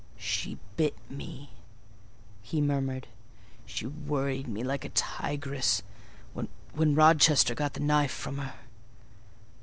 "She bit me," he murmured. "She worried me like a tigress, when Rochester got the knife from her."